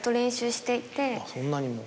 そんなにも。